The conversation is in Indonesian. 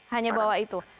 hanya bawah itu